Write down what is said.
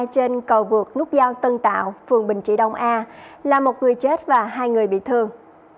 trên cầu vượt nút giao tân tạo phường bình trị đông a là một người chết và hai người bị thương